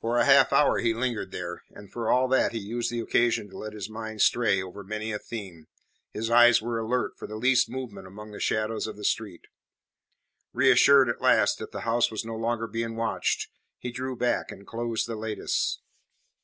For a half hour he lingered there, and for all that he used the occasion to let his mind stray over many a theme, his eyes were alert for the least movement among the shadows of the street. Reassured at last that the house was no longer being watched, he drew back, and closed the lattice.